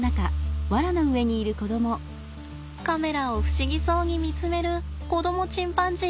カメラを不思議そうに見つめる子供チンパンジー。